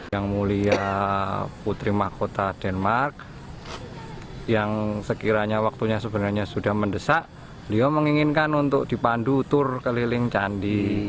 yang mulia putri mahkota denmark yang sekiranya waktunya sebenarnya sudah mendesak beliau menginginkan untuk dipandu tur keliling candi